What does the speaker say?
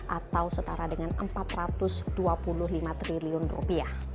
atau setara dengan empat ratus dua puluh lima triliun rupiah